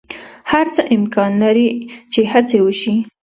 هر څه امکان لری چی هڅه یی وشی